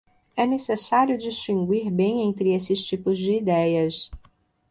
É necessário distinguir bem entre esses tipos de idéias.